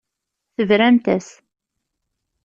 Tebramt-as.